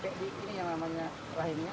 ini yang namanya rahimnya